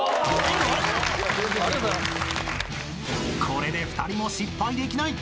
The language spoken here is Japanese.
［これで２人も失敗できない。